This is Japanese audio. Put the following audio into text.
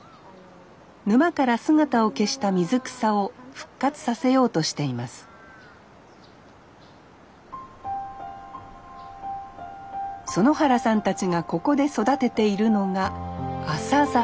沼から姿を消した水草を復活させようとしています園原さんたちがここで育てているのがアサザ。